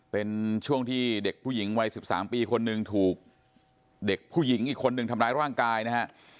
เป็นช่วงที่เด็กผู้หญิงวัย๑๓ปีคนหนึ่งถูกเด็กผู้หญิงอีกคนนึงทำร้ายร่างกายนะฮะ